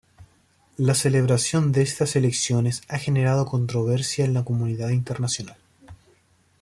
La celebración de estas elecciones ha generado controversia en la comunidad internacional.